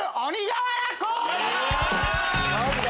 何だ？